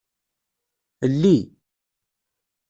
Lli.